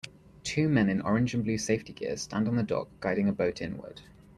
Two men in orange and blue safety gear stand on the dock guiding a boat inward.